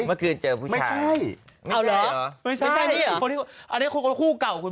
เมื่อคืนเจอผู้ชาย